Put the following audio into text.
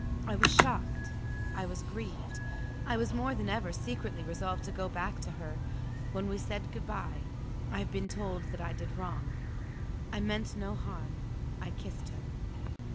I was shocked; I was grieved; I was more than ever secretly resolved to go back to her. When we said good bye I have been told that I did wrong; I meant no harm I kissed her.